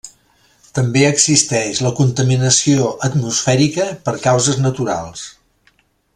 També existeix la contaminació atmosfèrica per causes naturals.